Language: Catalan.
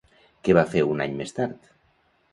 Què va fer un any més tard?